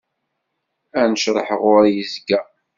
Anecreḥ ɣuri yezga.